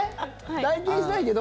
体験したいけど。